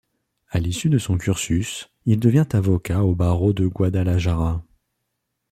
À l'issue de son cursus, il devient avocat au barreau de Guadalajara.